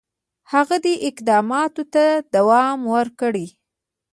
هغه دي اقداماتو ته دوام ورکړي.